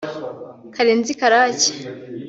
Karenzi Karake